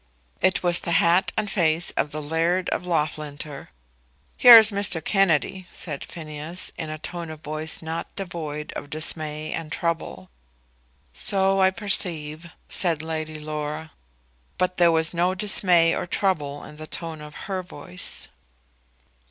It was the hat and face of the laird of Loughlinter. "Here is Mr. Kennedy," said Phineas, in a tone of voice not devoid of dismay and trouble. "So I perceive," said Lady Laura. But there was no dismay or trouble in the tone of her voice.